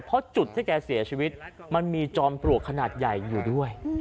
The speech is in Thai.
เพราะจุดที่แกเสียชีวิตมันมีจอมปลวกขนาดใหญ่อยู่ด้วย